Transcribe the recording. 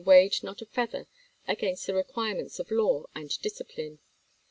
weighed not a feather against the requirements of law and discipline.